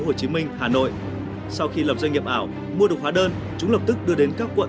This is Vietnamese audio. hồ chí minh hà nội sau khi lập doanh nghiệp ảo mua được hóa đơn chúng lập tức đưa đến các quận